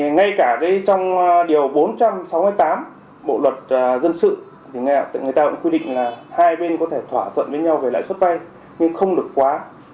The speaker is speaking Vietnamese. ngay cả trong điều bốn trăm sáu mươi tám bộ luật dân sự thì người ta cũng quy định là hai bên có thể thỏa thuận với nhau về lãi suất vay nhưng không được quá